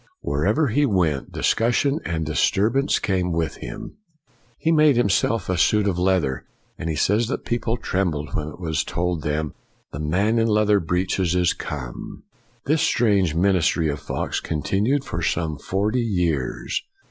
'' Wherever he went, discussion and dis turbance came with him. He made him self a suit of leather, and he says that people trembled when it was told them, " The man in leather breeches is come." This strange ministry of Fox continued for some forty years.